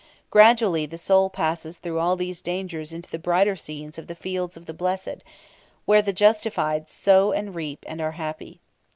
Gradually the soul passes through all these dangers into the brighter scenes of the Fields of the Blessed, where the justified sow and reap and are happy.